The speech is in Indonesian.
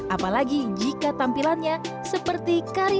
apalagi jika tampilannya seperti karya seni seperti ini